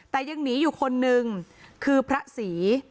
แต่ยังหนีอยู่คนนึงคือพระศรี